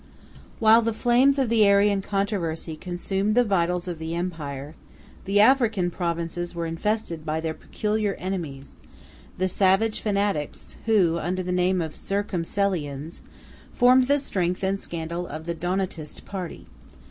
] While the flames of the Arian controversy consumed the vitals of the empire, the African provinces were infested by their peculiar enemies, the savage fanatics, who, under the name of Circumcellions, formed the strength and scandal of the Donatist party.